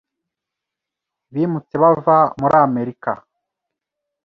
bimutse bava muri Amerika,.